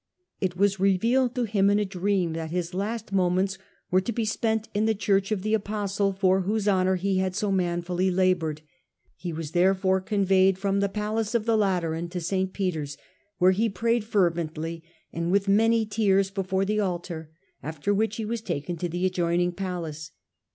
It was revealed to him in a dream that his last moments were to be spent in the church of the apostle for whose honour he had so manfully laboured. He was therefore conveyed from the Palace of the Laieran to St. Peter's, where he prayed fervently and with many tears before the altar, after which he was taken to the adjoining palace.